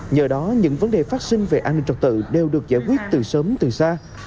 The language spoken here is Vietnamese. nhờ đó những vấn đề phát sinh về an ninh trật tự đều được giải quyết từ sớm từ xa